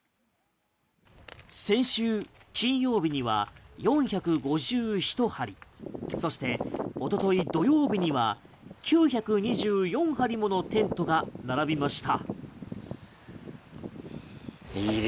先週金曜日には４５１張りそしておととい土曜日には９２４張りものテントが並びました。